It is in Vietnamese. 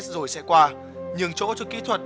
rồi sẽ qua nhưng chỗ cho kỹ thuật